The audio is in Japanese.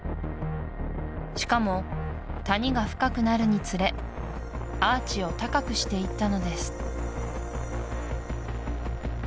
しかも谷が深くなるにつれアーチを高くしていったのです